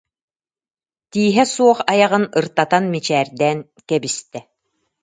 тииһэ суох айаҕын ыртатан мичээрдээн кэбистэ